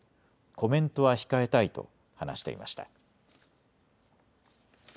コメントは控えたいと話していました。